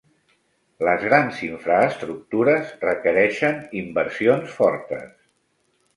Les grans infraestructures requereixen inversions fortes.